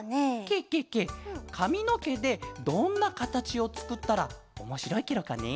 ケケケかみのけでどんなかたちをつくったらおもしろいケロかね？